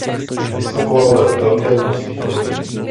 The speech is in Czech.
Vystupoval ve velkém množství komedií.